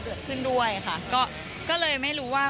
เกิดขึ้นด้วยค่ะก็เลยไม่รู้ว่า